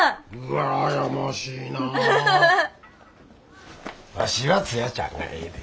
わしはツヤちゃんがええで。